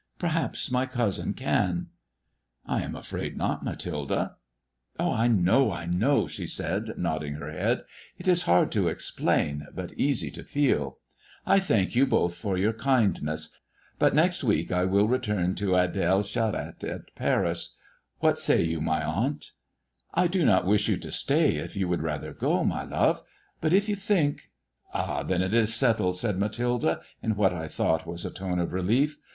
Ferkape my cousin can t "|" I am afraid not, Mathilde," " Oh, I know, I knov," she said, nodding her bead " It is hard to explain, but easy to feeL I thank jaa botli for your kindness, but next week I will return to Adels Charette, at Paris. What say you, my aunt i "" I do not wish you to stay if yon would rather go, my love ; but if you think " "Then it is settled," said Mathilde, in what I thought was a tone of relief.